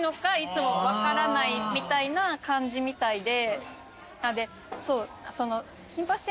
みたいな感じみたいで。